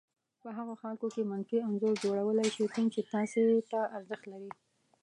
په هغو خلکو کې منفي انځور جوړولای شي کوم چې تاسې ته ارزښت لري.